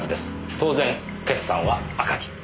当然決算は赤字。